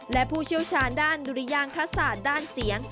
และผู้เชี่ยวชาญด้านดุริยางคศาสตร์ด้านเสียง